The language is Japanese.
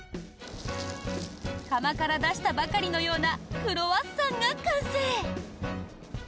窯から出したばかりのようなクロワッサンが完成。